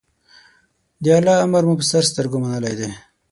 د الله امر مو په سر سترګو منلی دی.